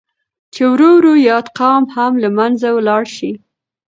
چې ورو ورو ياد قوم هم لمنځه ولاړ شي.